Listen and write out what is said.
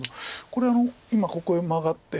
これ今ここへマガって。